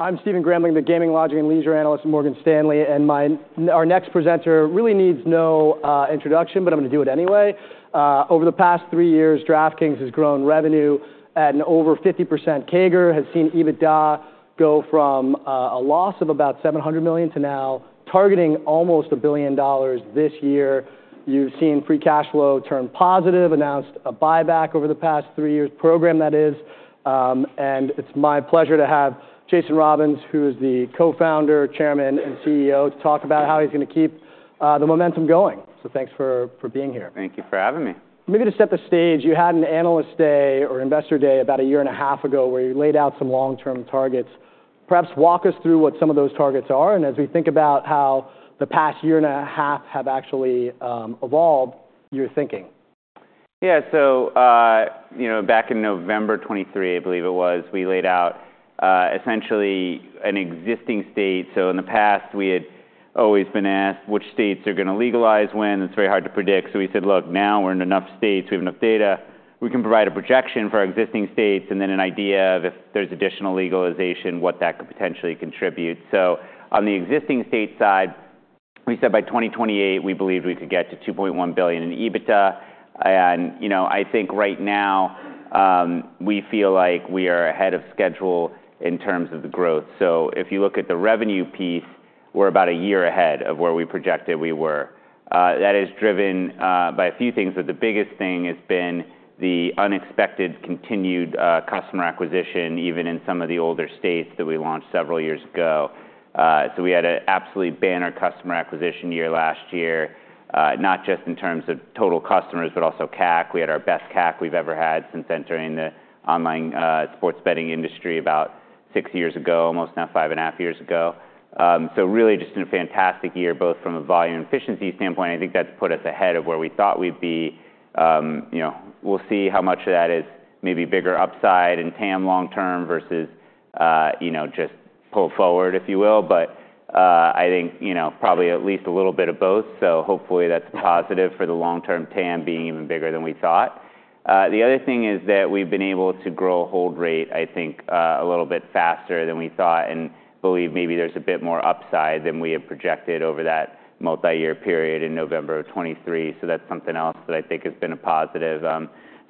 I'm Stephen Grambling, the Gaming Lodging & Leisure analyst at Morgan Stanley, and my next presenter really needs no introduction, but I'm going to do it anyway. Over the past three years, DraftKings has grown revenue at over 50%. CAGR has seen EBITDA go from a loss of about $700 million to now targeting almost $1 billion this year. You've seen free cash flow turn positive, announced a buyback over the past three years, program that is, and it's my pleasure to have Jason Robins, who is the co-founder, chairman, and CEO, to talk about how he's going to keep the momentum going. So thanks for being here. Thank you for having me. Maybe to set the stage, you had an analyst day or investor day about a year and a half ago where you laid out some long-term targets. Perhaps walk us through what some of those targets are, and as we think about how the past year and a half have actually evolved your thinking. Yeah, so back in November 2023, I believe it was, we laid out essentially an existing state. So in the past, we had always been asked which states are going to legalize when. It's very hard to predict. So we said, look, now we're in enough states, we have enough data, we can provide a projection for our existing states, and then an idea of if there's additional legalization, what that could potentially contribute. So on the existing state side, we said by 2028 we believed we could get to $2.1 billion in EBITDA. And I think right now we feel like we are ahead of schedule in terms of the growth. So if you look at the revenue piece, we're about a year ahead of where we projected we were. That is driven by a few things, but the biggest thing has been the unexpected continued customer acquisition, even in some of the older states that we launched several years ago. So we had an absolutely banner customer acquisition year last year, not just in terms of total customers, but also CAC. We had our best CAC we've ever had since entering the online sports betting industry about six years ago, almost now five and a half years ago. So really just a fantastic year, both from a volume efficiency standpoint. I think that's put us ahead of where we thought we'd be. We'll see how much of that is maybe bigger upside in TAM long-term versus just pull forward, if you will, but I think probably at least a little bit of both. So hopefully that's positive for the long-term TAM being even bigger than we thought. The other thing is that we've been able to grow hold rate, I think, a little bit faster than we thought and believe maybe there's a bit more upside than we had projected over that multi-year period in November of 2023. So that's something else that I think has been a positive.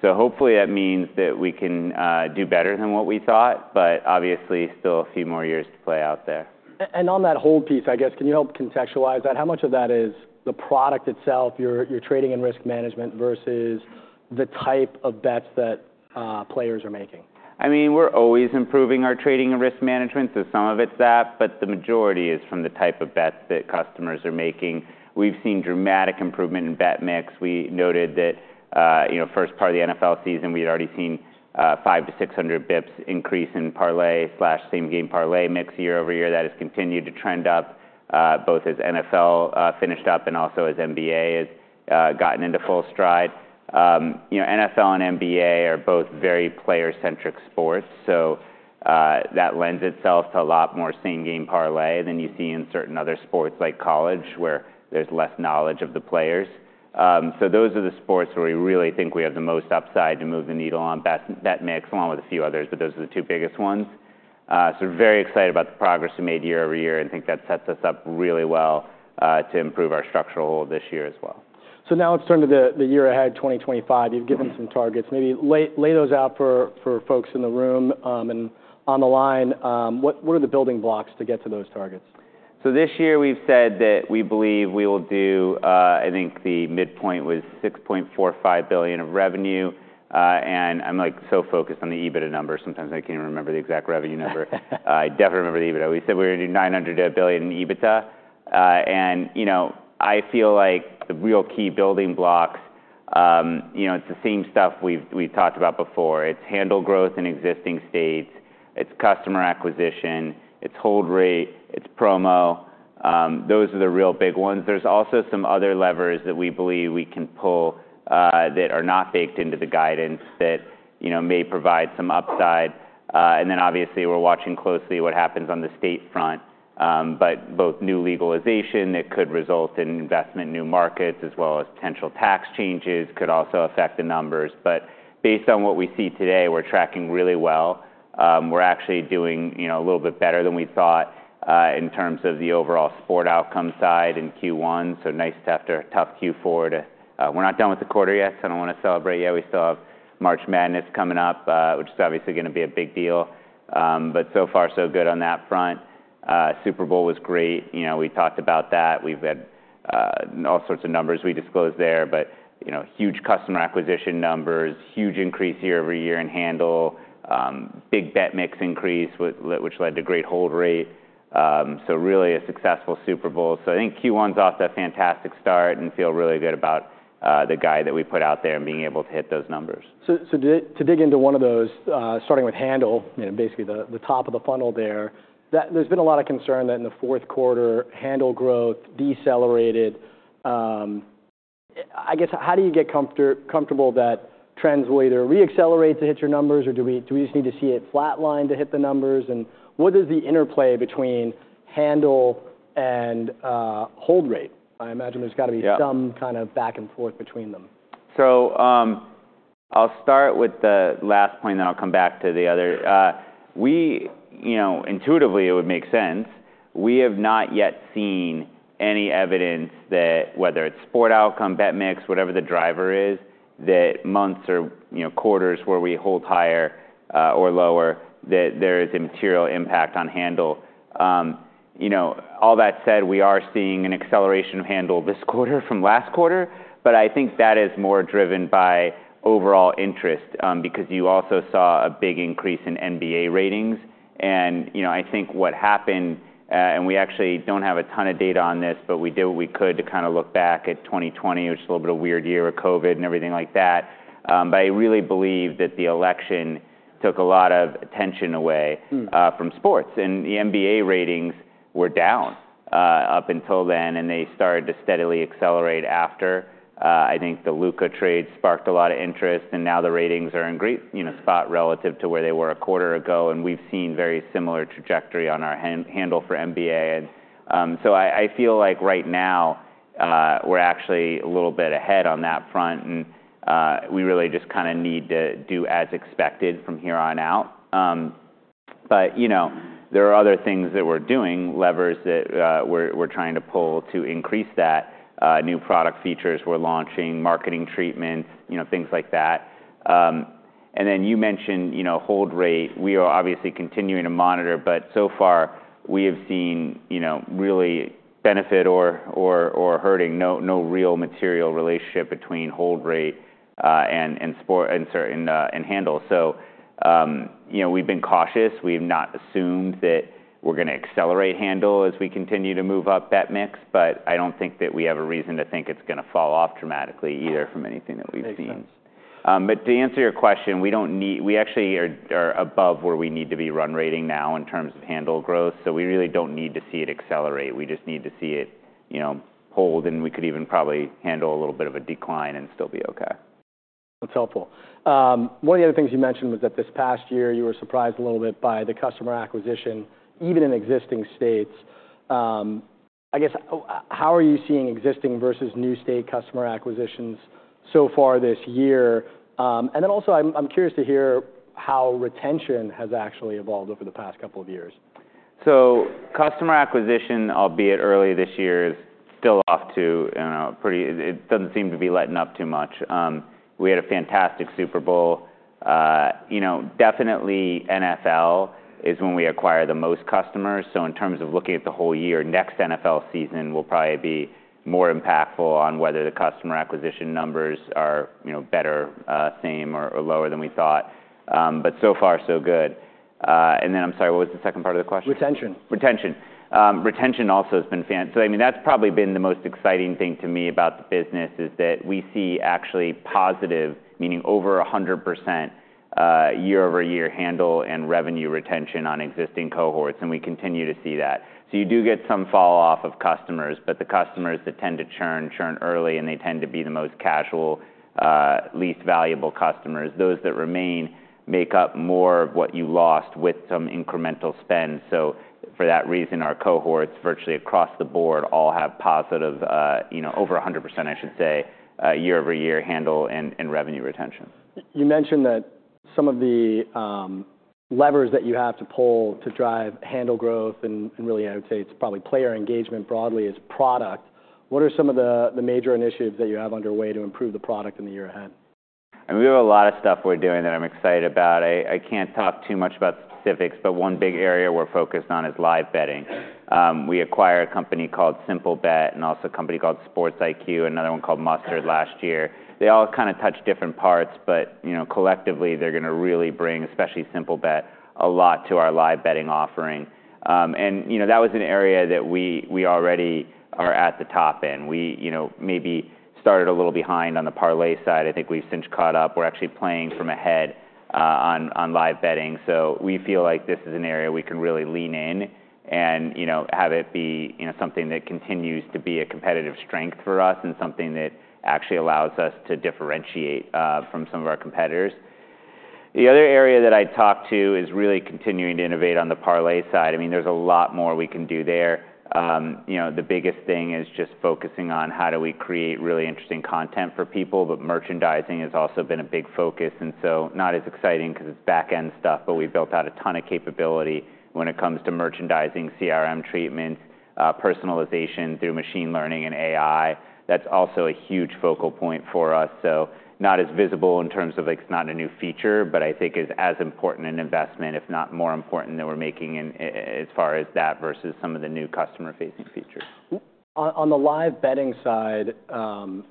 So hopefully that means that we can do better than what we thought, but obviously still a few more years to play out there. On that hold piece, I guess, can you help contextualize that? How much of that is the product itself, your trading and risk management versus the type of bets that players are making? I mean, we're always improving our trading and risk management, so some of it's that, but the majority is from the type of bets that customers are making. We've seen dramatic improvement in bet mix. We noted that first part of the NFL season, we'd already seen 500-600 basis points increase in parlay/Same Game Parlay mix year-over-year. That has continued to trend up, both as NFL finished up and also as NBA has gotten into full stride. NFL and NBA are both very player-centric sports, so that lends itself to a lot more Same Game Parlay than you see in certain other sports like college where there's less knowledge of the players. So those are the sports where we really think we have the most upside to move the needle on bet mix, along with a few others, but those are the two biggest ones. We're very excited about the progress we made year-over-year and think that sets us up really well to improve our structural hold this year as well. So now let's turn to the year ahead, 2025. You've given some targets. Maybe lay those out for folks in the room and on the line. What are the building blocks to get to those targets? This year we've said that we believe we will do, I think the midpoint was $6.45 billion of revenue. And I'm so focused on the EBITDA number, sometimes I can't even remember the exact revenue number. I definitely remember the EBITDA. We said we were going to do $900 million in EBITDA. And I feel like the real key building blocks, it's the same stuff we've talked about before. It's handle growth in existing states. It's customer acquisition. It's hold rate. It's promo. Those are the real big ones. There's also some other levers that we believe we can pull that are not baked into the guidance that may provide some upside. And then obviously we're watching closely what happens on the state front, but both new legalization that could result in investment in new markets as well as potential tax changes could also affect the numbers. Based on what we see today, we're tracking really well. We're actually doing a little bit better than we thought in terms of the overall sports outcome side in Q1, so nice to have a tough Q4. We're not done with the quarter yet, so I don't want to celebrate yet. We still have March Madness coming up, which is obviously going to be a big deal. So far, so good on that front. Super Bowl was great. We talked about that. We've had all sorts of numbers we disclosed there, but huge customer acquisition numbers, huge increase year-over-year in handle, big bet mix increase, which led to great hold rate, so really a successful Super Bowl. I think Q1's off to a fantastic start and feel really good about the guide that we put out there and being able to hit those numbers. To dig into one of those, starting with handle, basically the top of the funnel there, there's been a lot of concern that in the fourth quarter, handle growth decelerated. I guess, how do you get comfortable that trends will either re-accelerate to hit your numbers or do we just need to see it flatline to hit the numbers? And what is the interplay between handle and hold rate? I imagine there's got to be some kind of back and forth between them. I'll start with the last point, then I'll come back to the other. Intuitively, it would make sense. We have not yet seen any evidence that whether it's sport outcome, bet mix, whatever the driver is, that months or quarters where we hold higher or lower, that there is a material impact on handle. All that said, we are seeing an acceleration of handle this quarter from last quarter, but I think that is more driven by overall interest because you also saw a big increase in NBA ratings. And I think what happened, and we actually don't have a ton of data on this, but we did what we could to kind of look back at 2020, which is a little bit of a weird year with COVID and everything like that. But I really believe that the election took a lot of tension away from sports. The NBA ratings were down up until then, and they started to steadily accelerate after. I think the Luka trade sparked a lot of interest, and now the ratings are in great spot relative to where they were a quarter ago, and we've seen very similar trajectory on our handle for NBA. And so I feel like right now we're actually a little bit ahead on that front, and we really just kind of need to do as expected from here on out. But there are other things that we're doing, levers that we're trying to pull to increase that. New product features we're launching, marketing treatments, things like that. And then you mentioned hold rate. We are obviously continuing to monitor, but so far we have seen no real benefit or hurting, no real material relationship between hold rate and handle, so we've been cautious. We've not assumed that we're going to accelerate handle as we continue to move up bet mix, but I don't think that we have a reason to think it's going to fall off dramatically either from anything that we've seen. That makes sense. But to answer your question, we actually are above where we need to be run rate now in terms of handle growth. So we really don't need to see it accelerate. We just need to see it hold, and we could even probably handle a little bit of a decline and still be okay. That's helpful. One of the other things you mentioned was that this past year you were surprised a little bit by the customer acquisition, even in existing states. I guess, how are you seeing existing versus new state customer acquisitions so far this year? And then also I'm curious to hear how retention has actually evolved over the past couple of years. So customer acquisition, albeit early this year, is still off to it. It doesn't seem to be letting up too much. We had a fantastic Super Bowl. Definitely NFL is when we acquire the most customers. So in terms of looking at the whole year, next NFL season will probably be more impactful on whether the customer acquisition numbers are better, same, or lower than we thought. But so far, so good. And then I'm sorry, what was the second part of the question? Retention. Retention. Retention also has been fantastic. So I mean, that's probably been the most exciting thing to me about the business is that we see actually positive, meaning over 100% year-over-year handle and revenue retention on existing cohorts, and we continue to see that. So you do get some fall off of customers, but the customers that tend to churn, churn early, and they tend to be the most casual, least valuable customers. Those that remain make up more of what you lost with some incremental spend. So for that reason, our cohorts virtually across the board all have positive, over 100%, I should say, year-over-year handle and revenue retention. You mentioned that some of the levers that you have to pull to drive handle growth and really I would say it's probably player engagement broadly is product. What are some of the major initiatives that you have underway to improve the product in the year ahead? I mean, we have a lot of stuff we're doing that I'm excited about. I can't talk too much about specifics, but one big area we're focused on is live betting. We acquired a company called Simplebet and also a company called Sports IQ, another one called Mustard last year. They all kind of touch different parts, but collectively they're going to really bring, especially Simplebet, a lot to our live betting offering, and that was an area that we already are at the top in. We maybe started a little behind on the parlay side. I think we've since caught up. We're actually playing from ahead on live betting, so we feel like this is an area we can really lean in and have it be something that continues to be a competitive strength for us and something that actually allows us to differentiate from some of our competitors. The other area that I talk to is really continuing to innovate on the parlay side. I mean, there's a lot more we can do there. The biggest thing is just focusing on how do we create really interesting content for people, but merchandising has also been a big focus. And so not as exciting because it's back-end stuff, but we built out a ton of capability when it comes to merchandising, CRM treatments, personalization through machine learning and AI. That's also a huge focal point for us. So not as visible in terms of it's not a new feature, but I think is as important an investment, if not more important than we're making as far as that versus some of the new customer-facing features. On the live betting side,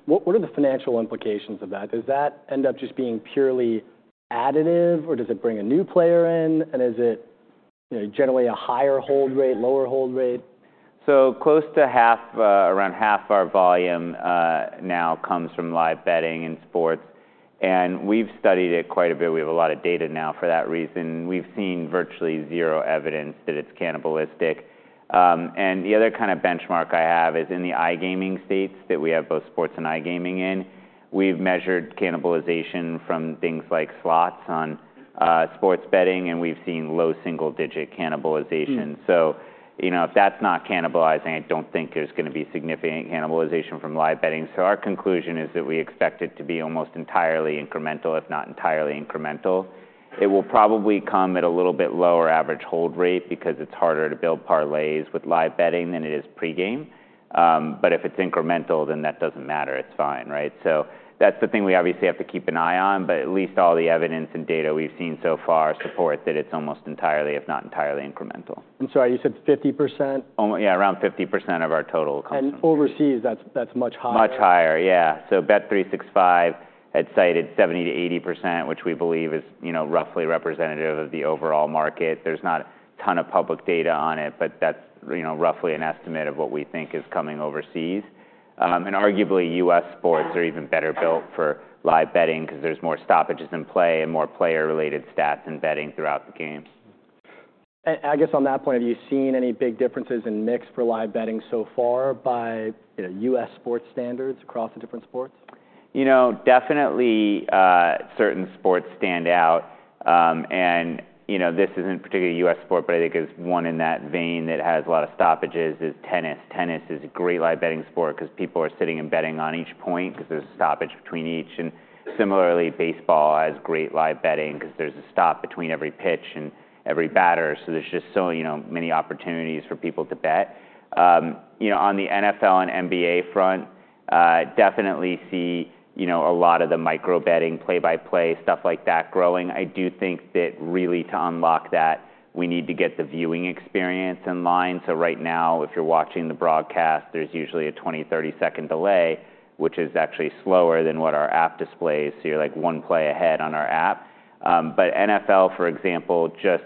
what are the financial implications of that? Does that end up just being purely additive, or does it bring a new player in? And is it generally a higher hold rate, lower hold rate? So close to half, around half our volume now comes from live betting in sports. And we've studied it quite a bit. We have a lot of data now for that reason. We've seen virtually zero evidence that it's cannibalistic. And the other kind of benchmark I have is in the iGaming states that we have both sports and iGaming in. We've measured cannibalization from things like slots on sports betting, and we've seen low single-digit cannibalization. So if that's not cannibalizing, I don't think there's going to be significant cannibalization from live betting. So our conclusion is that we expect it to be almost entirely incremental, if not entirely incremental. It will probably come at a little bit lower average hold rate because it's harder to build parlays with live betting than it is pre-game. But if it's incremental, then that doesn't matter. It's fine, right? So that's the thing we obviously have to keep an eye on, but at least all the evidence and data we've seen so far support that it's almost entirely, if not entirely incremental. I'm sorry, you said 50%? Yeah, around 50% of our total customers. Overseas, that's much higher. Much higher, yeah. So Bet365 had cited 70%-80%, which we believe is roughly representative of the overall market. There's not a ton of public data on it, but that's roughly an estimate of what we think is coming overseas. And arguably U.S. sports are even better built for live betting because there's more stoppages in play and more player-related stats in betting throughout the games. I guess on that point, have you seen any big differences in mix for live betting so far by U.S. sports standards across the different sports? You know, definitely certain sports stand out. And this isn't particularly U.S. sport, but I think it's one in that vein that has a lot of stoppages is tennis. Tennis is a great live betting sport because people are sitting and betting on each point because there's a stoppage between each. And similarly, baseball has great live betting because there's a stop between every pitch and every batter. So there's just so many opportunities for people to bet. On the NFL and NBA front, definitely see a lot of the micro betting, play-by-play, stuff like that growing. I do think that really to unlock that, we need to get the viewing experience in line. So right now, if you're watching the broadcast, there's usually a 20-30-second delay, which is actually slower than what our app displays. So you're like one play ahead on our app. But NFL, for example, just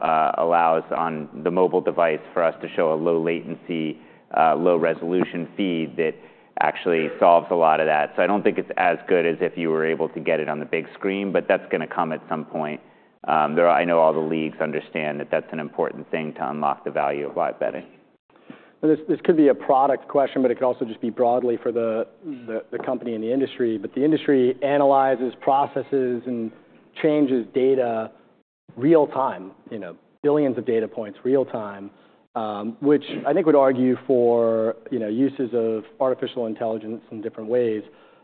allows on the mobile device for us to show a low latency, low resolution feed that actually solves a lot of that. So I don't think it's as good as if you were able to get it on the big screen, but that's going to come at some point. I know all the leagues understand that that's an important thing to unlock the value of live betting. This could be a product question, but it could also just be broadly for the company and the industry. But the industry analyzes, processes, and changes data real-time, billions of data points real-time, which I think would argue for uses of artificial intelligence in different ways.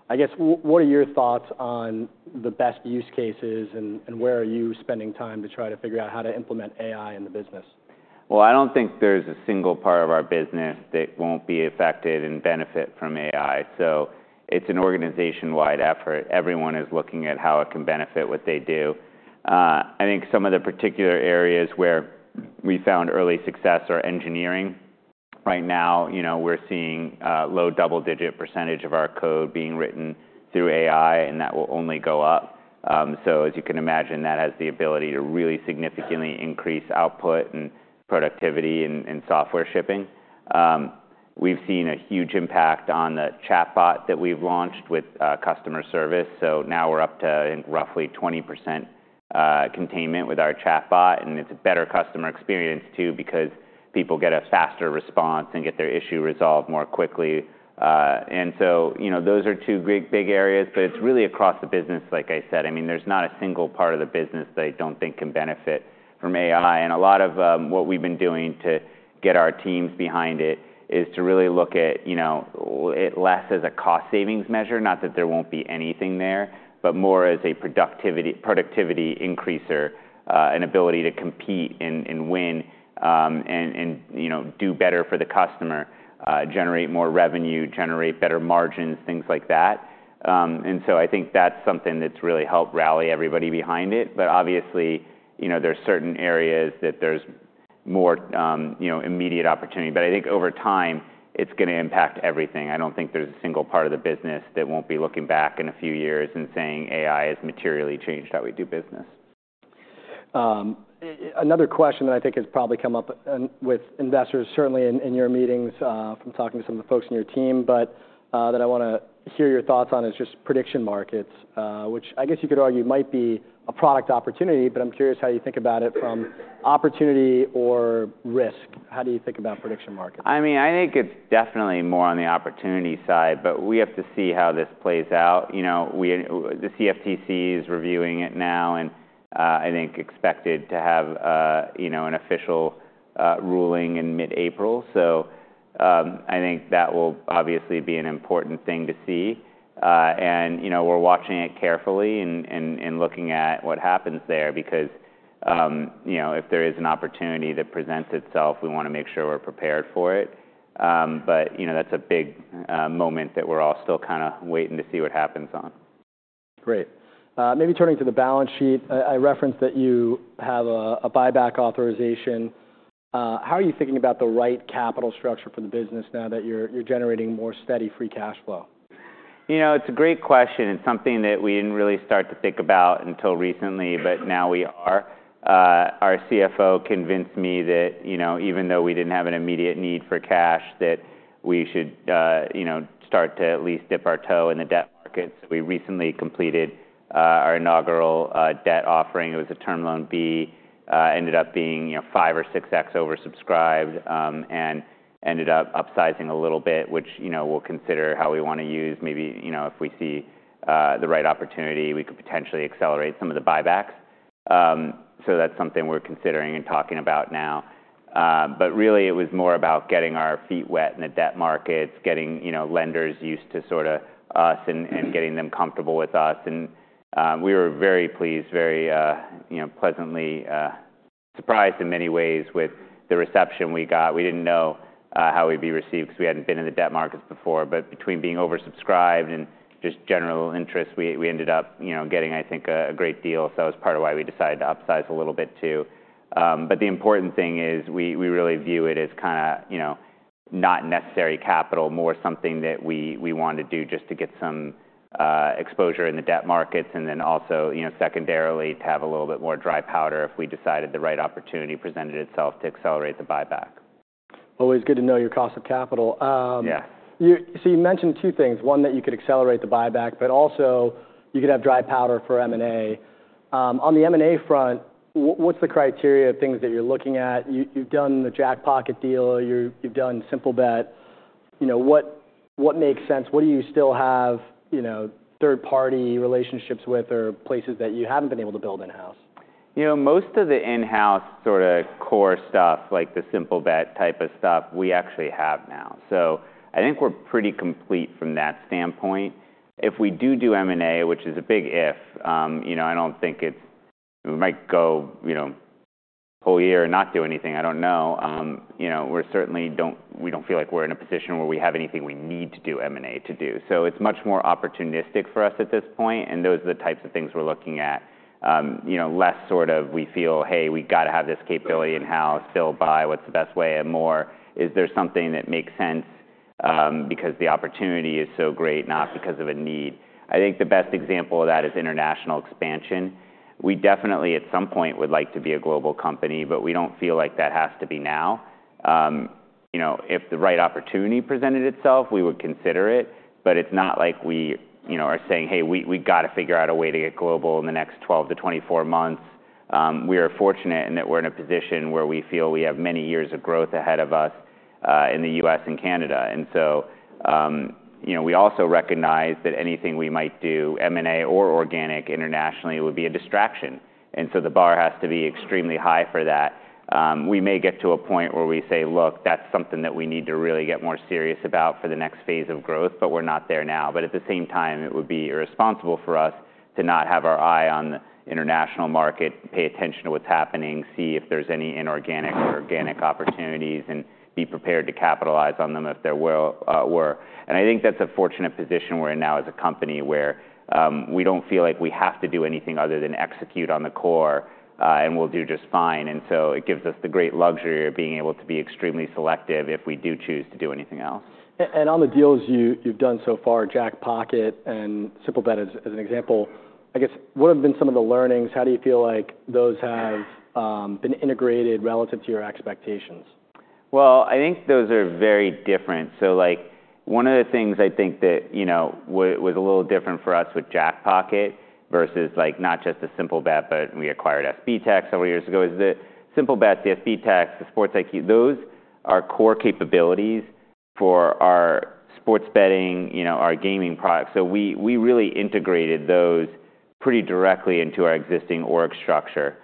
I guess, what are your thoughts on the best use cases and where are you spending time to try to figure out how to implement AI in the business? I don't think there's a single part of our business that won't be affected and benefit from AI. It's an organization-wide effort. Everyone is looking at how it can benefit what they do. I think some of the particular areas where we found early success are engineering. Right now, we're seeing a low double-digit percentage of our code being written through AI, and that will only go up. As you can imagine, that has the ability to really significantly increase output and productivity in software shipping. We've seen a huge impact on the chatbot that we've launched with customer service. Now we're up to roughly 20% containment with our chatbot. It's a better customer experience too because people get a faster response and get their issue resolved more quickly. Those are two big areas, but it's really across the business, like I said. I mean, there's not a single part of the business that I don't think can benefit from AI, and a lot of what we've been doing to get our teams behind it is to really look at it less as a cost savings measure, not that there won't be anything there, but more as a productivity increaser, an ability to compete and win and do better for the customer, generate more revenue, generate better margins, things like that, and so I think that's something that's really helped rally everybody behind it, but obviously, there's certain areas that there's more immediate opportunity, but I think over time, it's going to impact everything. I don't think there's a single part of the business that won't be looking back in a few years and saying AI has materially changed how we do business. Another question that I think has probably come up with investors, certainly in your meetings from talking to some of the folks in your team, but that I want to hear your thoughts on is just prediction markets, which I guess you could argue might be a product opportunity, but I'm curious how you think about it from opportunity or risk. How do you think about prediction markets? I mean, I think it's definitely more on the opportunity side, but we have to see how this plays out. The CFTC is reviewing it now and I think expected to have an official ruling in mid-April. So I think that will obviously be an important thing to see. And we're watching it carefully and looking at what happens there because if there is an opportunity that presents itself, we want to make sure we're prepared for it. But that's a big moment that we're all still kind of waiting to see what happens on. Great. Maybe turning to the balance sheet, I referenced that you have a buyback authorization. How are you thinking about the right capital structure for the business now that you're generating more steady free cash flow? You know, it's a great question. It's something that we didn't really start to think about until recently, but now we are. Our CFO convinced me that even though we didn't have an immediate need for cash, that we should start to at least dip our toe in the debt market. So we recently completed our inaugural debt offering. It was a Term Loan B, ended up being five or six times oversubscribed and ended up upsizing a little bit, which we'll consider how we want to use. Maybe if we see the right opportunity, we could potentially accelerate some of the buybacks. So that's something we're considering and talking about now. But really, it was more about getting our feet wet in the debt markets, getting lenders used to sort of us and getting them comfortable with us. We were very pleased, very pleasantly surprised in many ways with the reception we got. We didn't know how we'd be received because we hadn't been in the debt markets before. Between being oversubscribed and just general interest, we ended up getting, I think, a great deal. That was part of why we decided to upsize a little bit too. The important thing is we really view it as kind of not necessary capital, more something that we want to do just to get some exposure in the debt markets and then also secondarily to have a little bit more dry powder if we decided the right opportunity presented itself to accelerate the buyback. Always good to know your cost of capital. Yeah. So you mentioned two things. One that you could accelerate the buyback, but also you could have dry powder for M&A. On the M&A front, what's the criteria of things that you're looking at? You've done the Jackpocket deal, you've done Simplebet. What makes sense? What do you still have third-party relationships with or places that you haven't been able to build in-house? You know, most of the in-house sort of core stuff, like the Simplebet type of stuff, we actually have now. So I think we're pretty complete from that standpoint. If we do do M&A, which is a big if, I don't think it's we might go a whole year and not do anything. I don't know. We certainly don't feel like we're in a position where we have anything we need to do M&A to do. So it's much more opportunistic for us at this point. And those are the types of things we're looking at. Less sort of we feel, hey, we've got to have this capability in-house, build by, what's the best way, and more is there something that makes sense because the opportunity is so great, not because of a need. I think the best example of that is international expansion. We definitely at some point would like to be a global company, but we don't feel like that has to be now. If the right opportunity presented itself, we would consider it. But it's not like we are saying, hey, we've got to figure out a way to get global in the next 12-24 months. We are fortunate in that we're in a position where we feel we have many years of growth ahead of us in the U.S. and Canada. And so we also recognize that anything we might do, M&A or organic internationally, would be a distraction. And so the bar has to be extremely high for that. We may get to a point where we say, look, that's something that we need to really get more serious about for the next phase of growth, but we're not there now. But at the same time, it would be irresponsible for us to not have our eye on the international market, pay attention to what's happening, see if there's any inorganic or organic opportunities, and be prepared to capitalize on them if there were. And I think that's a fortunate position we're in now as a company where we don't feel like we have to do anything other than execute on the core and we'll do just fine. And so it gives us the great luxury of being able to be extremely selective if we do choose to do anything else. And on the deals you've done so far, Jackpocket and Simplebet as an example, I guess what have been some of the learnings? How do you feel like those have been integrated relative to your expectations? I think those are very different. One of the things I think that was a little different for us with Jackpocket versus not just the Simplebet, but we acquired SBTech several years ago, is that Simplebet, the SBTech, the Sports IQ, those are core capabilities for our sports betting, our gaming products. We really integrated those pretty directly into our existing org structure.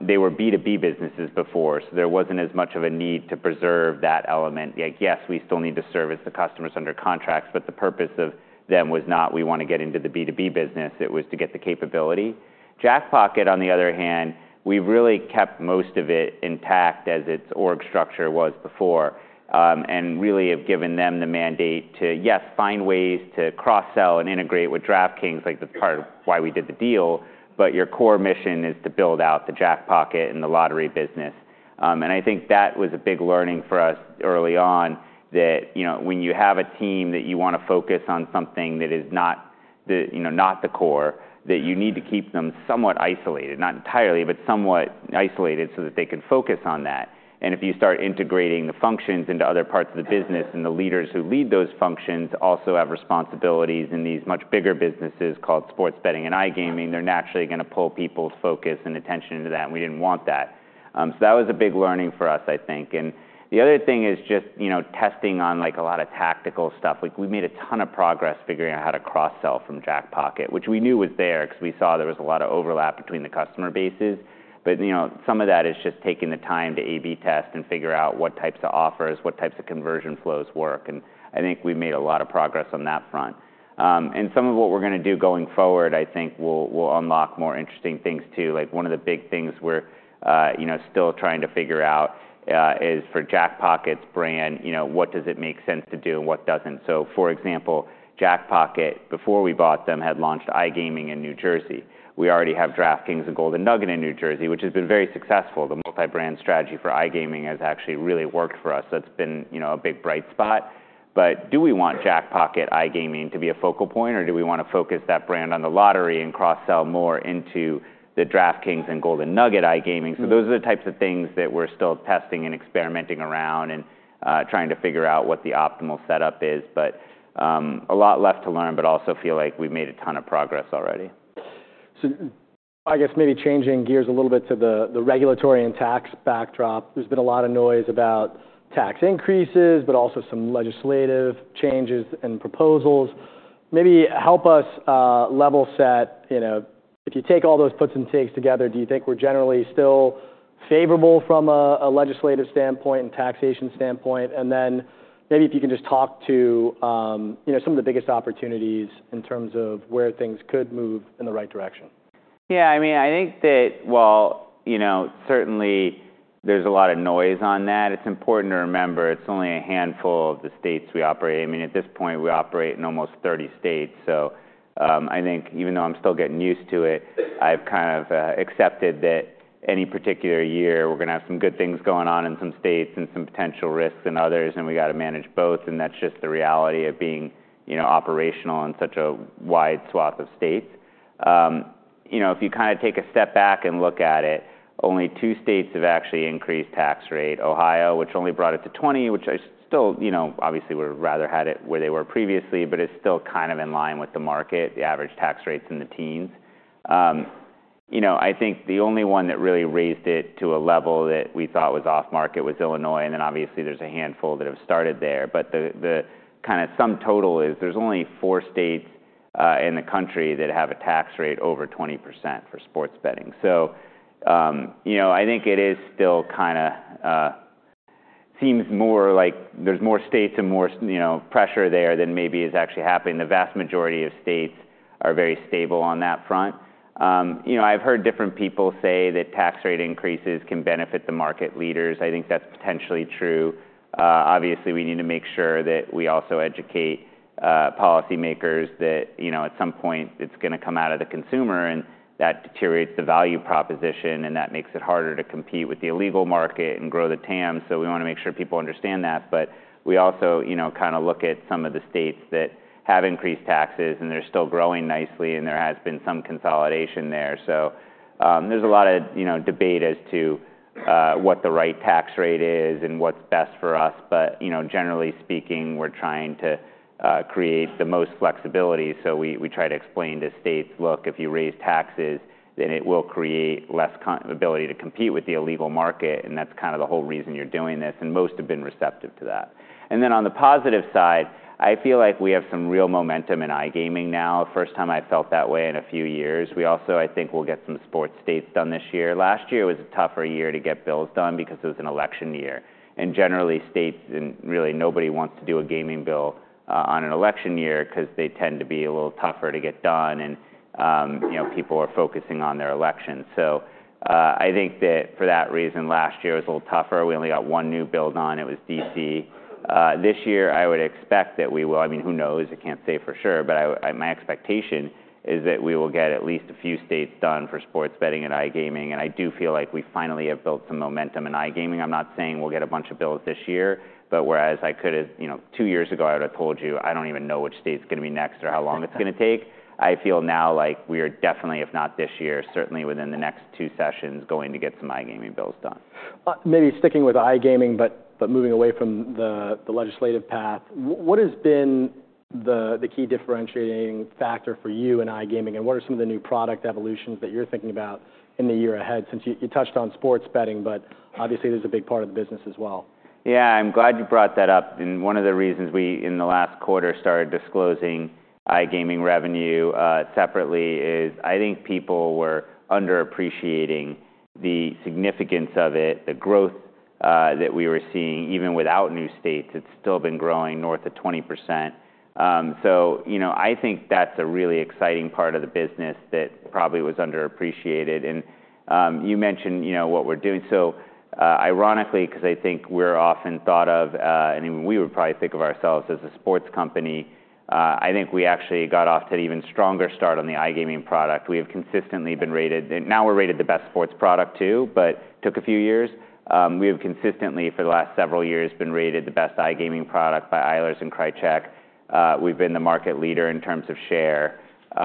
They were B2B businesses before, so there wasn't as much of a need to preserve that element. Yes, we still need to service the customers under contracts, but the purpose of them was not we want to get into the B2B business. It was to get the capability. Jackpocket, on the other hand, we've really kept most of it intact as its org structure was before and really have given them the mandate to, yes, find ways to cross-sell and integrate with DraftKings like the part of why we did the deal, but your core mission is to build out the Jackpocket and the lottery business. I think that was a big learning for us early on that when you have a team that you want to focus on something that is not the core, that you need to keep them somewhat isolated, not entirely, but somewhat isolated so that they can focus on that. And if you start integrating the functions into other parts of the business and the leaders who lead those functions also have responsibilities in these much bigger businesses called sports betting and iGaming, they're naturally going to pull people's focus and attention into that. And we didn't want that. So that was a big learning for us, I think. And the other thing is just testing on a lot of tactical stuff. We made a ton of progress figuring out how to cross-sell from Jackpocket, which we knew was there because we saw there was a lot of overlap between the customer bases. But some of that is just taking the time to A/B test and figure out what types of offers, what types of conversion flows work. And I think we've made a lot of progress on that front. And some of what we're going to do going forward, I think we'll unlock more interesting things too. One of the big things we're still trying to figure out is for Jackpocket's brand, what does it make sense to do and what doesn't? So for example, Jackpocket, before we bought them, had launched iGaming in New Jersey. We already have DraftKings and Golden Nugget in New Jersey, which has been very successful. The multi-brand strategy for iGaming has actually really worked for us. That's been a big bright spot. But do we want Jackpocket iGaming to be a focal point, or do we want to focus that brand on the lottery and cross-sell more into the DraftKings and Golden Nugget iGaming? So those are the types of things that we're still testing and experimenting around and trying to figure out what the optimal setup is. But a lot left to learn, but also feel like we've made a ton of progress already. I guess maybe changing gears a little bit to the regulatory and tax backdrop. There's been a lot of noise about tax increases, but also some legislative changes and proposals. Maybe help us level set. If you take all those puts and takes together, do you think we're generally still favorable from a legislative standpoint and taxation standpoint? Maybe if you can just talk to some of the biggest opportunities in terms of where things could move in the right direction? Yeah, I mean, I think that, well, certainly there's a lot of noise on that. It's important to remember it's only a handful of the states we operate. I mean, at this point, we operate in almost 30 states. So I think even though I'm still getting used to it, I've kind of accepted that any particular year we're going to have some good things going on in some states and some potential risks in others, and we got to manage both. And that's just the reality of being operational in such a wide swath of states. If you kind of take a step back and look at it, only two states have actually increased tax rate: Ohio, which only brought it to 20, which I still obviously would have rather had it where they were previously, but it's still kind of in line with the market, the average tax rates in the teens. I think the only one that really raised it to a level that we thought was off-market was Illinois. And then obviously there's a handful that have started there. But the kind of sum total is there's only four states in the country that have a tax rate over 20% for sports betting. So I think it is still kind of seems more like there's more states and more pressure there than maybe is actually happening. The vast majority of states are very stable on that front. I've heard different people say that tax rate increases can benefit the market leaders. I think that's potentially true. Obviously, we need to make sure that we also educate policymakers that at some point it's going to come out of the consumer and that deteriorates the value proposition and that makes it harder to compete with the illegal market and grow the TAM. So we want to make sure people understand that. But we also kind of look at some of the states that have increased taxes and they're still growing nicely and there has been some consolidation there. So there's a lot of debate as to what the right tax rate is and what's best for us. But generally speaking, we're trying to create the most flexibility. So we try to explain to states, look, if you raise taxes, then it will create less ability to compete with the illegal market. And that's kind of the whole reason you're doing this. And most have been receptive to that. And then on the positive side, I feel like we have some real momentum in iGaming now. First time I felt that way in a few years. We also, I think we'll get some sports states done this year. Last year was a tougher year to get bills done because it was an election year. And generally states and really nobody wants to do a gaming bill on an election year because they tend to be a little tougher to get done and people are focusing on their elections. So I think that for that reason, last year was a little tougher. We only got one new bill on. It was D.C. This year, I would expect that we will, I mean, who knows? I can't say for sure, but my expectation is that we will get at least a few states done for sports betting and iGaming. And I do feel like we finally have built some momentum in iGaming. I'm not saying we'll get a bunch of bills this year, but whereas I could have two years ago, I would have told you, I don't even know which state's going to be next or how long it's going to take. I feel now like we are definitely, if not this year, certainly within the next two sessions going to get some iGaming bills done. Maybe sticking with iGaming, but moving away from the legislative path, what has been the key differentiating factor for you in iGaming and what are some of the new product evolutions that you're thinking about in the year ahead? Since you touched on sports betting, but obviously there's a big part of the business as well. Yeah, I'm glad you brought that up. And one of the reasons we in the last quarter started disclosing iGaming revenue separately is I think people were underappreciating the significance of it, the growth that we were seeing even without new states. It's still been growing north of 20%. So I think that's a really exciting part of the business that probably was underappreciated. And you mentioned what we're doing. So ironically, because I think we're often thought of, and we would probably think of ourselves as a sports company, I think we actually got off to an even stronger start on the iGaming product. We have consistently been rated, and now we're rated the best sports product too, but took a few years. We have consistently for the last several years been rated the best iGaming product by Eilers & Krejcik. We've been the market leader in terms of share. A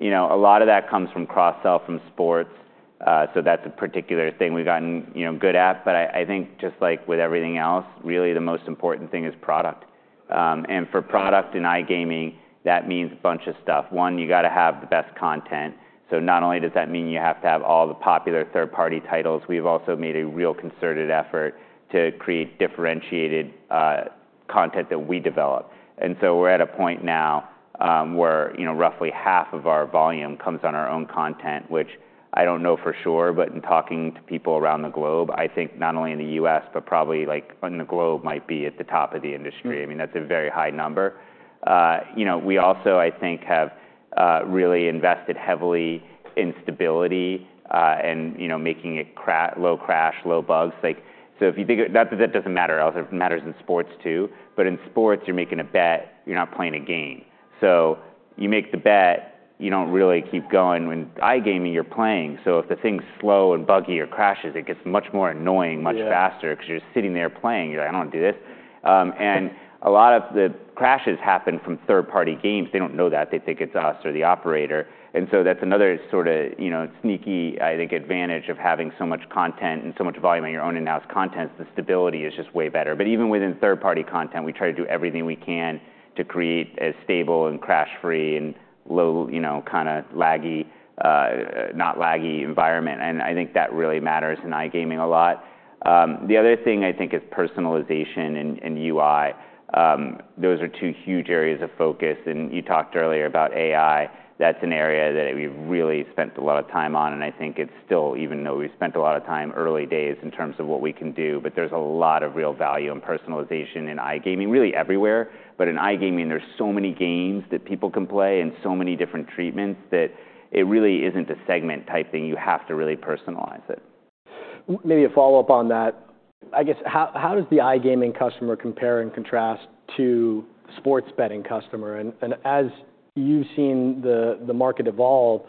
lot of that comes from cross-sell from sports. So that's a particular thing we've gotten good at. But I think just like with everything else, really the most important thing is product. And for product in iGaming, that means a bunch of stuff. One, you got to have the best content. So not only does that mean you have to have all the popular third-party titles, we've also made a real concerted effort to create differentiated content that we develop. And so we're at a point now where roughly half of our volume comes on our own content, which I don't know for sure, but in talking to people around the globe, I think not only in the U.S., but probably in the globe might be at the top of the industry. I mean, that's a very high number. We also, I think, have really invested heavily in stability and making it low crash, low bugs. So if you think that doesn't matter, it also matters in sports too. But in sports, you're making a bet, you're not playing a game. So you make the bet, you don't really keep going. When iGaming, you're playing. So if the thing's slow and buggy or crashes, it gets much more annoying, much faster because you're sitting there playing. You're like, I don't want to do this. And a lot of the crashes happen from third-party games. They don't know that. They think it's us or the operator. And so that's another sort of sneaky, I think, advantage of having so much content and so much volume on your own in-house contents. The stability is just way better. But even within third-party content, we try to do everything we can to create a stable and crash-free and low kind of laggy, not laggy environment. And I think that really matters in iGaming a lot. The other thing I think is personalization and UI. Those are two huge areas of focus. And you talked earlier about AI. That's an area that we've really spent a lot of time on. And I think it's still, even though we've spent a lot of time early days in terms of what we can do, but there's a lot of real value in personalization in iGaming, really everywhere. But in iGaming, there's so many games that people can play and so many different treatments that it really isn't a segment type thing. You have to really personalize it. Maybe a follow-up on that. I guess, how does the iGaming customer compare and contrast to the sports betting customer? And as you've seen the market evolve,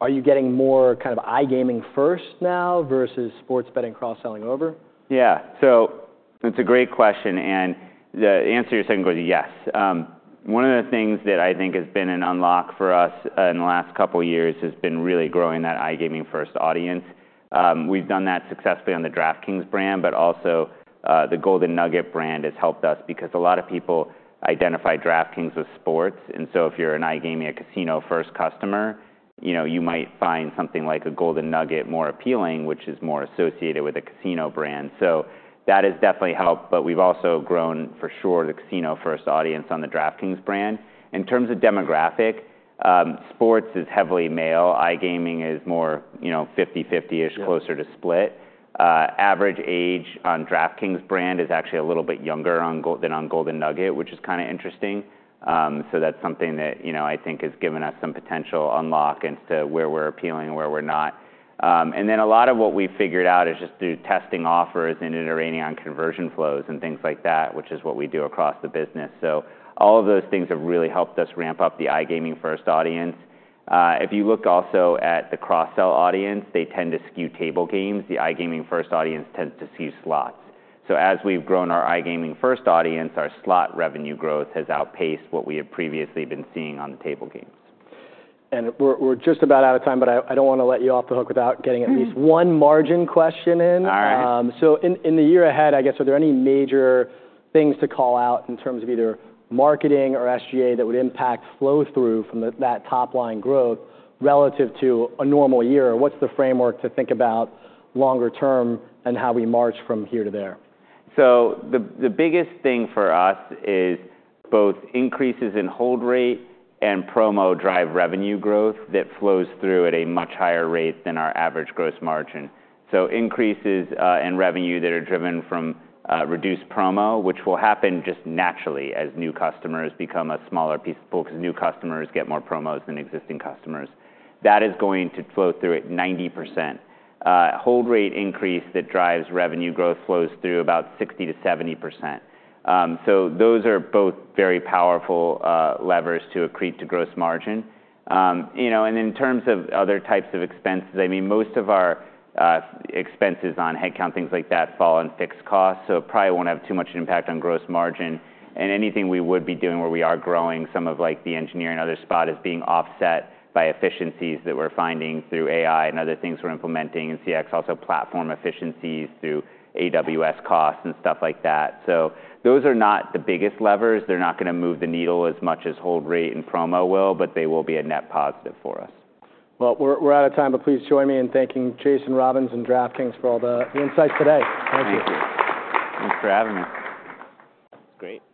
are you getting more kind of iGaming first now versus sports betting cross-selling over? Yeah. So it's a great question. And the answer you're saying goes to yes. One of the things that I think has been an unlock for us in the last couple of years has been really growing that iGaming first audience. We've done that successfully on the DraftKings brand, but also the Golden Nugget brand has helped us because a lot of people identify DraftKings with sports. And so if you're an iGaming casino first customer, you might find something like a Golden Nugget more appealing, which is more associated with a casino brand. So that has definitely helped. But we've also grown for sure the casino first audience on the DraftKings brand. In terms of demographic, sports is heavily male. iGaming is more 50/50-ish, closer to split. Average age on DraftKings brand is actually a little bit younger than on Golden Nugget, which is kind of interesting. So that's something that I think has given us some potential unlock as to where we're appealing and where we're not. And then a lot of what we've figured out is just through testing offers and iterating on conversion flows and things like that, which is what we do across the business. So all of those things have really helped us ramp up the iGaming first audience. If you look also at the cross-sell audience, they tend to skew table games. The iGaming first audience tends to skew slots. So as we've grown our iGaming first audience, our slot revenue growth has outpaced what we have previously been seeing on the table games. We're just about out of time, but I don't want to let you off the hook without getting at least one margin question in. All right. So in the year ahead, I guess, are there any major things to call out in terms of either marketing or SG&A that would impact flow through from that top line growth relative to a normal year? What's the framework to think about longer term and how we march from here to there? So the biggest thing for us is both increases in hold rate and promo drive revenue growth that flows through at a much higher rate than our average gross margin. Increases in revenue that are driven from reduced promo, which will happen just naturally as new customers become a smaller piece of the pool because new customers get more promos than existing customers, are going to flow through at 90%. Hold rate increase that drives revenue growth flows through about 60%-70%. Those are both very powerful levers to accrete to gross margin. In terms of other types of expenses, I mean, most of our expenses on headcount, things like that fall on fixed costs. It probably won't have too much impact on gross margin. And anything we would be doing where we are growing some of the engineering other spot is being offset by efficiencies that we're finding through AI and other things we're implementing in CX, also platform efficiencies through AWS costs and stuff like that. So those are not the biggest levers. They're not going to move the needle as much as hold rate and promo will, but they will be a net positive for us. Well, we're out of time, but please join me in thanking Jason Robins and DraftKings for all the insights today. Thank you. Thank you. Thanks for having me. It's great.